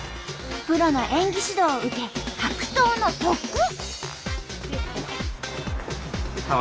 プロの演技指導を受け格闘の特訓。